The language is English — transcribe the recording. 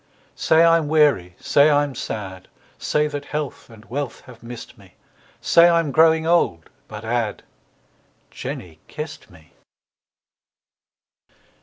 Say I'm weary, say I'm sad, Say that health and wealth have missed me, Say I'm growing old, but add, Jenny kissed me.